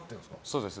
そうです。